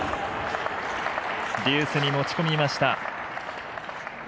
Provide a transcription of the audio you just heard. デュースに持ち込みました。